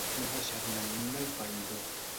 No deixar-ne ni una al païdor.